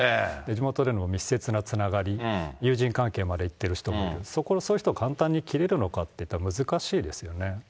地元での密接なつながり、友人関係までいってる人もいる、そういう人を簡単に切れるのかっていったら、難しいですよね。